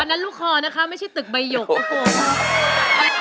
นั่นลูกคอนะคะไม่ใช่ตึกใบหยก